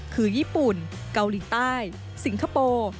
คือญี่ปุ่นเกาหลีใต้สิงคโปร์